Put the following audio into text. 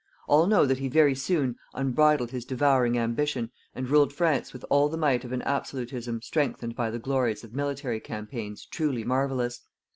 All know that he very soon unbridled his devouring ambition and ruled France with all the might of an absolutism strengthened by the glories of military campaigns truly marvellous.